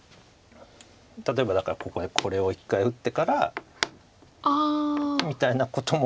例えばだからここへこれを一回打ってからみたいなことも。